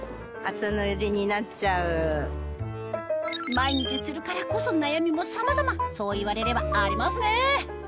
毎日するからこそ悩みもさまざまそう言われればありますね